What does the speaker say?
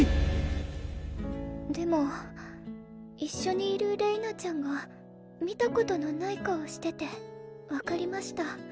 でも一緒にいるれいなちゃんが見たことのない顔してて分かりました。